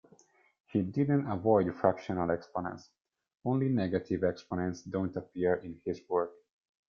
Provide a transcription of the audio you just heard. He didn't avoid fractional exponents; only negative exponents don't appear in his work.